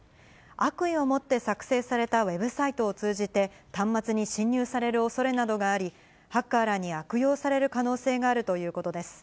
悪意を持って作成されたウェブサイトを通じて、端末に侵入されるおそれなどがあり、ハッカーらに悪用される可能性があるということです。